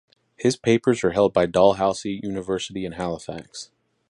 His papers are held by Dalhousie University in Halifax.